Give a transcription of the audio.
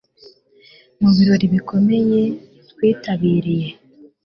mu birori bikomeye twitabiriye